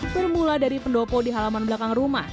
bermula dari pendopo di halaman belakang rumah